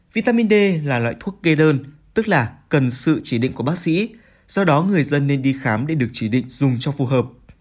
vitamin d là loại thuốc kê đơn tức là cần sự chỉ định của bác sĩ do đó người dân nên đi khám để được chỉ định dùng cho phù hợp